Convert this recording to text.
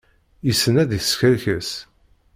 Yessen ad iskerkes.